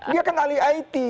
dia kan ahli it